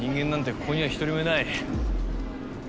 ここには一人もいない。